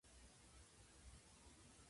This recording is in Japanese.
四月に咲く桜は、見ているだけで心が和む。